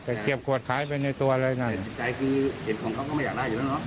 แต่เก็บขวดขายไปในตัวอะไรนั่น